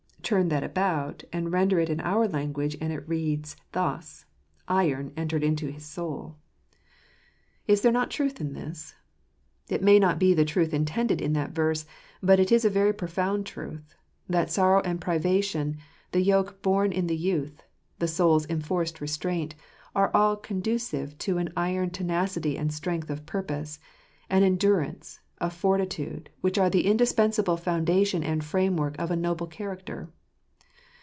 Turn that about, and render it in our language, and it reads thus, Iron entered into his soul. " Iron jfcfnte*' 55 Is there not a truth in this ? It may not be the truth intended in that verse, but it is a very profound truth, that sorrow and privation, the yoke borne in the youth, the soul's enforced restraint, are all conducive to an iron tenacity and strength of purpose, an endurance, a fortitude, which are the indispensable foundation and framework of a noble charac ter.